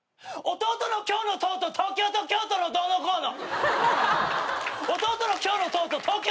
「弟の今日のトート東京と京都のどうのこうの」